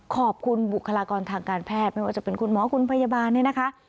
ขอบคุณบุคลากรทางการแพทย์ไม่ว่าจะเป็นคุณหมอคุณพยาบาลเนี่ยนะคะ